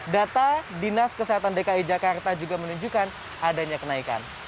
data dinas kesehatan dki jakarta juga menunjukkan adanya kenaikan